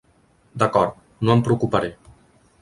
D'acord, no em preocuparé.